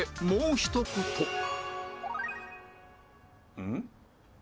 うん？